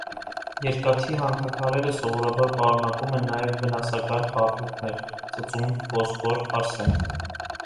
Երկաթի հանքաքարերը սովորաբար պարունակում են նաև վնասակար խառնուրդներ՝ ծծումբ, ֆոսֆոր, արսեն։